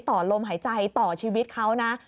ต่อลมหายใจต่อชีวิตเขานะ